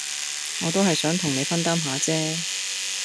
我都係想同你分擔下姐